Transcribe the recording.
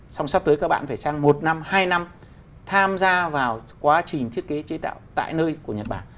xong sắp tới các bạn phải sang một năm hai năm tham gia vào quá trình thiết kế chế tạo tại nơi của nhật bản